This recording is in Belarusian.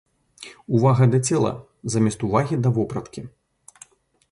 Увага да цела замест увагі да вопраткі.